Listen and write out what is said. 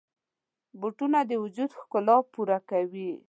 بوټونه د وجود ښکلا پوره کوي.